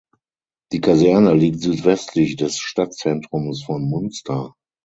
Die Kaserne liegt südwestlich des Stadtzentrums von Munster.